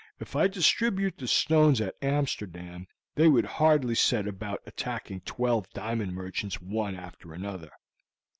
If I distribute the stones at Amsterdam they would hardly set about attacking twelve diamond merchants one after another.